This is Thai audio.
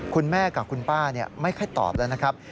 คุณแม่กับคุณป้าไม่ค่อยตอบแล้วนะครับ